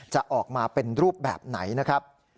จะออกมาเป็นรูปแบบไหนนะครับ